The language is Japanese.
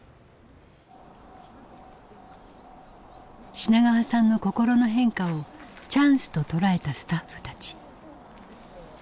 品川さんの心の変化をチャンスと捉えたスタッフたち。